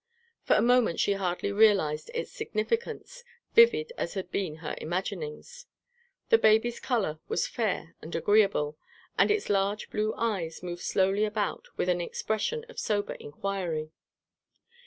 For a moment she hardly realised its significance, vivid as had been her imaginings. The baby's colour was fair and agreeable, and its large blue eyes moved slowly about with an expression of sober inquiry.